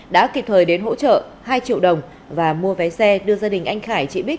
đã kịp thời đến hỗ trợ hai triệu đồng và mua vé xe đưa gia đình anh khải chị bích